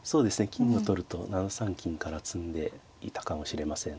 金を取ると７三金から詰んでいたかもしれません。